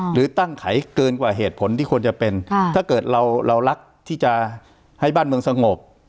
หรือตั้งไขเกินกว่าเหตุผลที่ควรจะเป็นถ้าเกิดเรารักที่จะให้บ้านเมืองสงบ